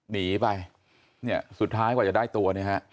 หนีไปเนี่ยสุดท้ายกว่าจะได้ตัวเนี่ยฮะ